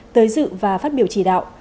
tới dự và phát biểu chỉ đạo